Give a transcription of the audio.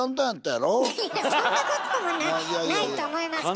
いやそんなこともないと思いますけど。